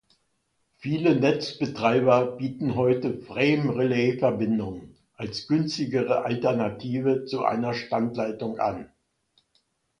Viele Netzbetreiber bieten heute Frame-Relay-Verbindungen als günstigere Alternative zu einer Standleitung an.